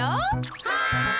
はい！